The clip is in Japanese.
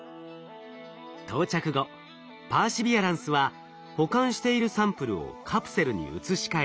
到着後パーシビアランスは保管しているサンプルをカプセルに移し替え